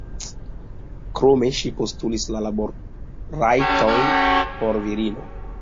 Krome ŝi postulis la balotrajton por virinoj.